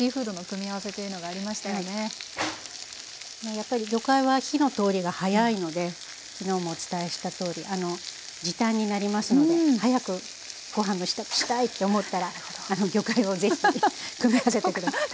やっぱり魚介は火の通りが早いので昨日もお伝えしたとおり時短になりますので早くご飯の支度したいって思ったら魚介を是非組み合わせて下さい。